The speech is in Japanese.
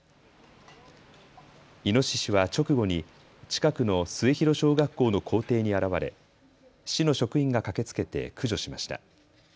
イノシシは直後に近くの末広小学校の校庭に現れ市の職員が駆けつけて駆除しました。